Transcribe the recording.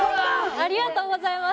ありがとうございます。